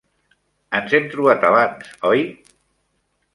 Ens hem trobat abans, oi?